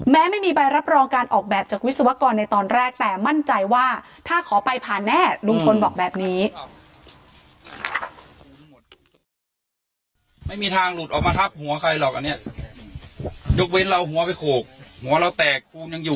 แม้ไม่มีใบรับรองการออกแบบจากวิศวกรในตอนแรก